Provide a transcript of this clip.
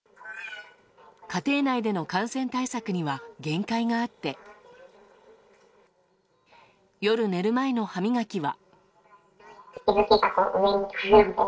家庭内での感染対策には限界があって夜寝る前の歯磨きは。